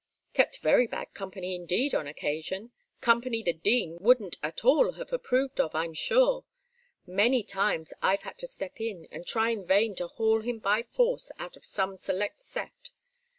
Kept very bad company indeed on occasion; company the Dean wouldn't at all have approved of, I'm sure. Many times I've had to step in and try in vain to haul him by force out of some select set.